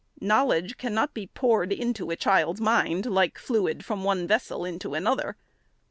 Knowledge cannot be poured into a child's mind like fluid from one vessel into another.